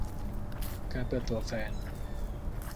การเปิดตัวแฟน